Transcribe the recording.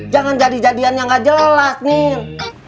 jangan jadi jadian yang gak jelas nih